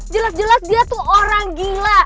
jelas jelas dia tuh orang gila